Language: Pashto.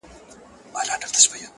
يو او بل ته په خبرو په كيسو سو -